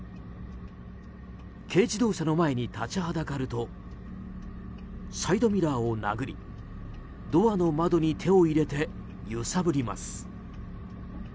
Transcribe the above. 軽自動車の前に立ちはだかるとサイドミラーを殴りドアの窓に手を入れて揺さぶります。